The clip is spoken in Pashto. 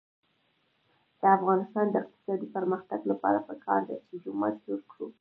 د افغانستان د اقتصادي پرمختګ لپاره پکار ده چې جومات جوړ کړو.